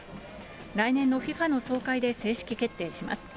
来年のＦＩＦＡの総会で正式決定します。